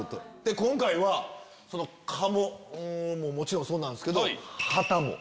今回は鴨ももちろんそうなんですけど。